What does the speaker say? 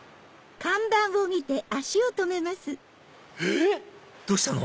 えっ⁉どうしたの？